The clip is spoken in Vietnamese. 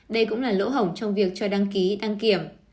đây cũng là lỗ hổng trong việc cho đăng ký đăng kiểm